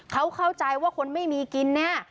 เขาเข้าใจว่าคนไม่มีกินเนี่ย